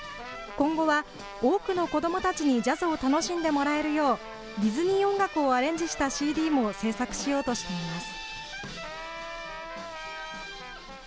今後は、多くの子どもたちにジャズを楽しんでもらえるようディズニー音楽をアレンジしたＣＤも制作しようとしています。